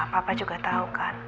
papa juga tau kan